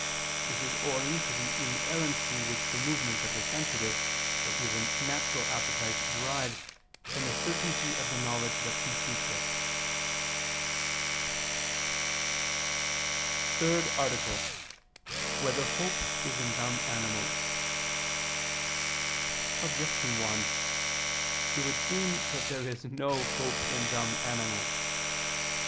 This is owing to the inerrancy which the movement of the sensitive or even natural appetite derives from the certainty of the knowledge that precedes it. ________________________ THIRD ARTICLE [I II, Q. 40, Art. 3] Whether Hope Is in Dumb Animals? Objection 1: It would seem that there is no hope in dumb animals.